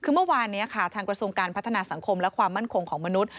คือเมื่อวานนี้ค่ะทางกระทรวงการพัฒนาสังคมและความมั่นคงของมนุษย